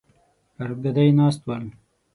پر ګدۍ ناست ول.